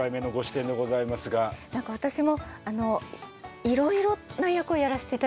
何か私もいろいろな役をやらせていただいて。